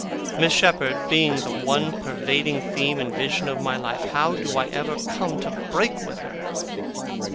Miss Shepherd being the one pervading theme and vision of my life, how do I ever come to break with her?